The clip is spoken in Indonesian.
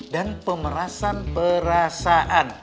dan pemerasan perasaan